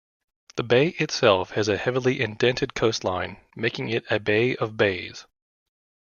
The bay itself has a heavily indented coastline, making it a bay of bays.